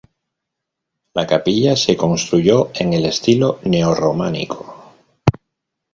La capilla se construyó en el estilo neorrománico.